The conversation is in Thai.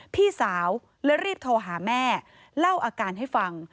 พี่สาวเลยรีบโทรหาแม่เล่าอาการให้ฟัง